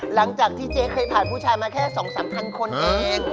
หลังจากที่เจ๊เคยผ่านผู้ชายมาแค่๒๓๐๐คนเอง